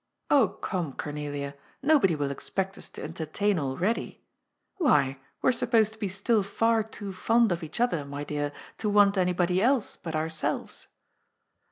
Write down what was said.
" Oh come, Cornelia, nobody will expect us to entertain already. Why, we're supposed to be still far too fond of each other, my dear, to want anybody else but ourselves."